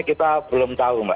kita belum tahu mbak